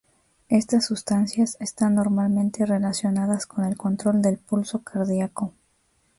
Estas sustancias están normalmente relacionadas con el control del pulso cardíaco.